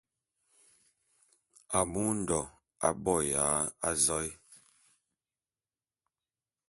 Amu Ondo aboya azoé.